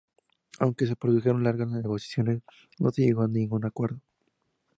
Aunque se produjeron largas negociaciones, no se llegó a ningún acuerdo.